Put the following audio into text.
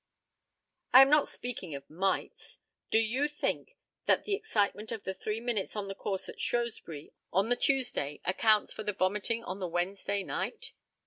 I am not speaking of "mights." Do you think that the excitement of the three minutes on the course at Shrewsbury on the Tuesday accounts for the vomiting on the Wednesday night?